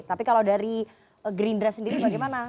tapi kalau dari green dress sendiri bagaimana